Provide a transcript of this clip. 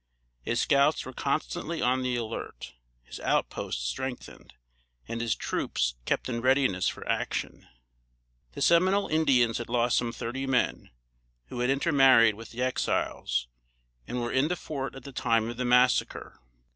His scouts were constantly on the alert, his outposts strengthened, and his troops kept in readiness for action. The Seminole Indians had lost some thirty men, who had intermarried with the Exiles, and were in the fort at the time of the massacre.